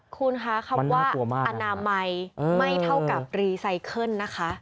คุณคะคำว่าอนามัยไม่เท่ากับรีไซเคิลนะคะ